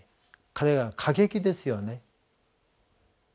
彼は過激ですよね。